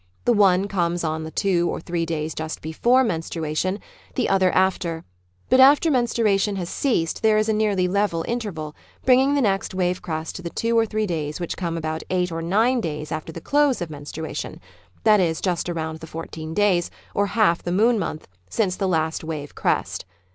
The one comes on the two or three days just before menstrua tion, the other after; but after menstruation has ceased there is a nearly level interyal, bringing the next wave crest to the two or three days which come about eight or nine days after the close of menstruation — that is, just round the fourteen days, or half the moon month, since the last wave crest.